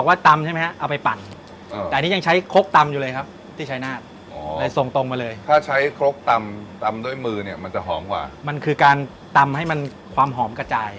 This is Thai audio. ซอสปรุงรสนั่นเองนะครับผม